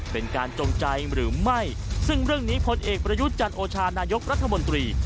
เป็นการจงใจหรือไม่ซึ่งเรื่องนี้พลเอกประยุทธ์จันโอชานายกรัฐมนตรี